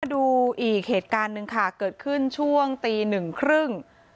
ดูอีกเหตุการณ์หนึ่งค่ะเกิดขึ้นช่วงตีหนึ่งครึ่ง